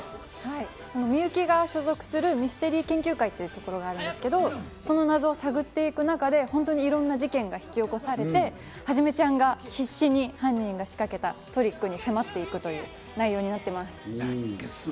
美雪が所属するミステリー研究会というところがあるんですけど、その謎を探っていく中で本当にいろんな事件が引き起こされて、はじめちゃんが必死に犯人が仕掛けたトリックに迫っていくという内容になっています。